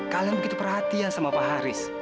kalian begitu perhatian sama pak haris